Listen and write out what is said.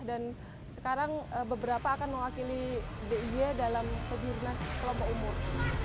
dan sekarang beberapa akan mewakili dig dalam kegirinan kelompok umur